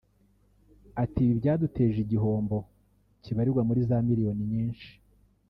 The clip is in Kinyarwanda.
Ati “Ibi byaduteje igihombo kibarirwa muri za miliyoni nyinshi